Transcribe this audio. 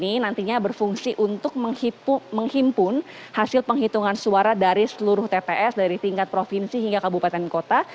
ini nantinya berfungsi untuk menghimpun hasil penghitungan suara dari seluruh tps dari tingkat provinsi hingga kabupaten kota